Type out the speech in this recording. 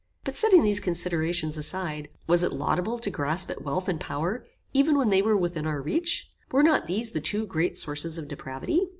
But setting these considerations aside, was it laudable to grasp at wealth and power even when they were within our reach? Were not these the two great sources of depravity?